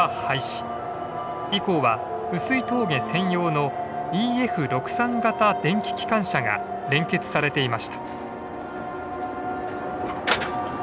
以降は碓氷峠専用のＥＦ６３形電気機関車が連結されていました。